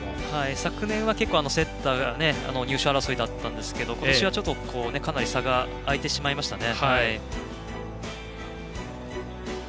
昨年は結構、競った入賞争いだったんですけれども今年はかなり差が開いてしまいましたね。